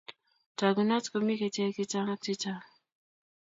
Tangunot komi kecheik chechang ak chechang